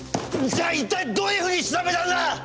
じゃあ一体どういうふうに調べたんだ！